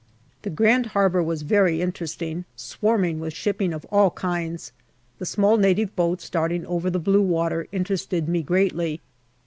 The grand harbour was very interesting, swarming with shipping of all kinds, the small native boats darting over the blue water interesting me greatly.